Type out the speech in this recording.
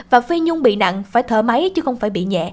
và phê nhung bị nặng phải thở máy chứ không phải bị nhẹ